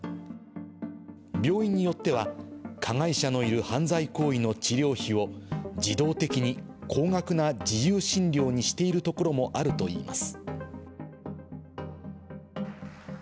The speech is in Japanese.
病院によっては、加害者のいる犯罪行為を治療費を、自動的に高額な自由診療にしているところもあるといいます。